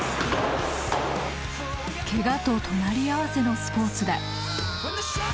ケガと隣り合わせのスポーツだ。